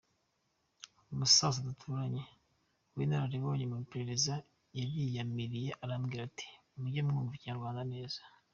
Umusaza duturanye w’inararibonye mu maperereza yariyamiriya arambwira ati mujye mwumva ikinyarwanda neza.